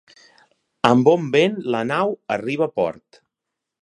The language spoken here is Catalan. Amb bon vent, la nau arriba a port.